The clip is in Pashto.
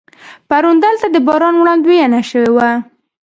پرون دلته د باران وړاندوینه شوې وه.